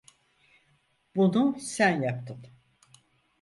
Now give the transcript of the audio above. Bunu sen yaptın.